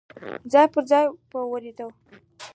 ځای پر ځای به ودرېدو.